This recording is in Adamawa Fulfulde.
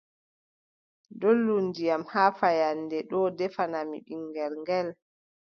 Dollu ndiyam haa fahannde ɗoo ndefanaami ɓiŋngel ngel,